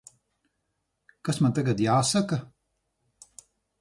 Kas man tagad jāsaka?